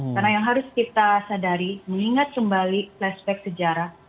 karena yang harus kita sadari mengingat kembali aspek sejarah